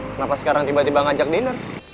kenapa sekarang tiba tiba ngajak dinner